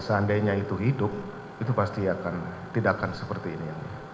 seandainya itu hidup itu pasti akan tidak akan seperti ini